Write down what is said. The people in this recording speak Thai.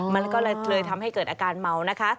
มันก็เลยทำให้เกิดอาการเมานะคะ